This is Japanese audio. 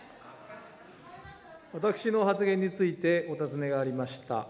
私の発言についてお尋ねがありました。